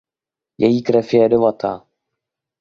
Její krev je jedovatá.